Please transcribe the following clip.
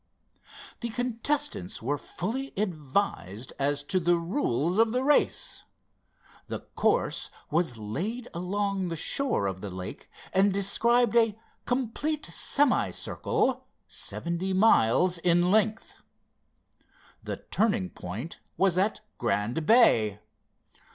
The contestants were fully advised as to the rules of the race. The course was laid along the shore of the lake and described a complete semi circle seventy miles in length. The turning point was at Grand Bay.